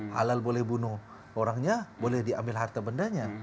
halal boleh bunuh orangnya boleh diambil harta bendanya